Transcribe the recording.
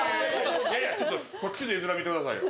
いやいやちょっとこっちの画面見てくださいよ